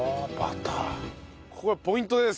ここがポイントです。